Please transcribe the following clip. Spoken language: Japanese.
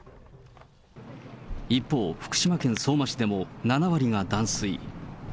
一方、福島県相馬市でも７割が断水。